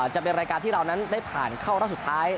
จะเป็นรายการที่เรานั้นได้ผ่านเข้ารอบสุดท้าย